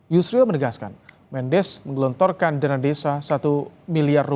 yusril menegaskan mendes menggelontorkan dana desa rp satu miliar